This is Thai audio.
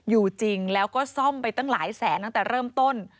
อยู่จริงแล้วก็ซ่อมไปตั้งหลายแสนตั้งแต่เริ่มต้น